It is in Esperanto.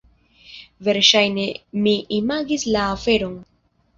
Verŝajne mi imagis la aferon!